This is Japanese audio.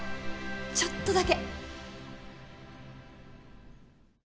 ちょっとだけ。